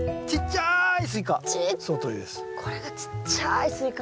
ちっちゃいスイカ。